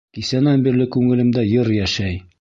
Кисәнән бирле күңелемдә йыр йәшәй.